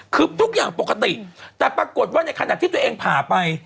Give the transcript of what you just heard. คือทุกอย่างปกติแต่ปรากฏว่าในขณะที่ตัวเองผ่าไป